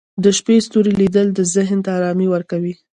د شپې ستوري لیدل ذهن ته ارامي ورکوي